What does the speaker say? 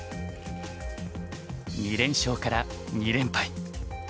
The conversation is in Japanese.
２連勝から２連敗。